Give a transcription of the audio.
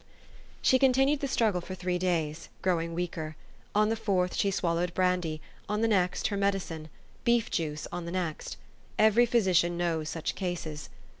She continued the struggle for three days, grow ing weaker. On the fourth she swallowed brandy ; on the next her medicine; beef juice on the next. Every physician knows such cases.